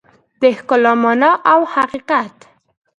د ښکلا مانا او حقیقت